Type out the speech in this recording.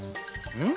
うん？